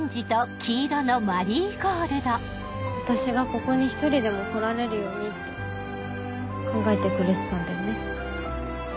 私がここに１人でも来られるようにって考えてくれてたんだよね？